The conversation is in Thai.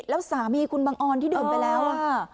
แล้วสามีคุณบังออนที่ดื่มไปแล้ว